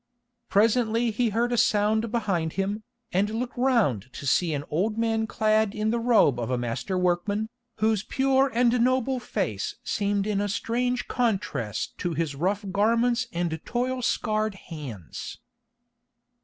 Presently he heard a sound behind him, and looked round to see an old man clad in the robe of a master workman, whose pure and noble face seemed in a strange contrast to his rough garments and toil scarred hands.